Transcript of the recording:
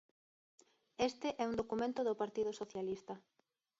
Este é un documento do Partido Socialista.